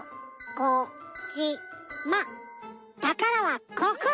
たからはここ！